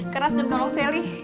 kerasnya tolong selly